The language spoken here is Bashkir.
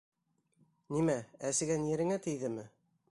Нимә, әсегән ереңә тейҙеме?